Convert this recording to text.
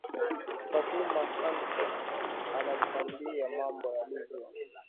fatuma sanbur anatuambia mambo yalivyo